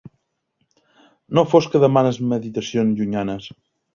No fos que demanés meditacions llunyanes.